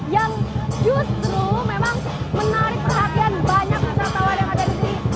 yang justru memang menarik perhatian banyak wisatawan yang ada di sini